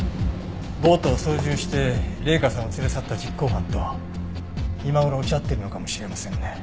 ボートを操縦して麗華さんを連れ去った実行犯と今頃落ち合っているのかもしれませんね。